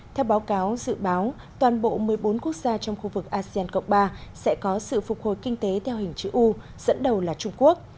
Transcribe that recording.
theo báo cáo dự báo toàn bộ một mươi bốn quốc gia trong khu vực asean cộng ba sẽ có sự phục hồi kinh tế theo hình chữ u dẫn đầu là trung quốc